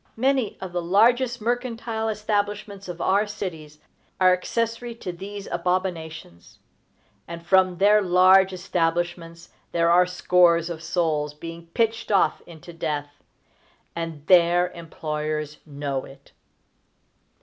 Many of the largest mercantile establishments of our cities are accessory to these abominations; and from their large establishments there are scores of souls being pitched off into death; _and their employers know it!